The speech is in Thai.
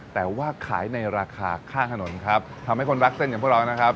แต่ว่าขายในราคาข้างถนนครับทำให้คนรักเส้นอย่างพวกเรานะครับ